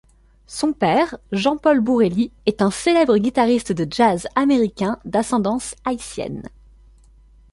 Son père, Jean-Paul Bourelly est un célèbre guitariste de jazz américain d'ascendance haïtienne.